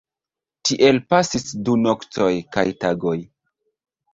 Tiel pasis du noktoj kaj tagoj.